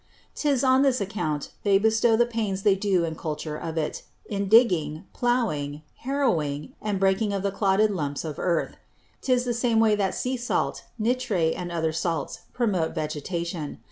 'Tis on this Account they bestow the Pains they do in Culture of it, in Digging, Plowing, Harrowing, and Breaking of the Clodded Lumps of Earth. 'Tis the same way that Sea salt, Nitre, and other Salts, promote Vegetation.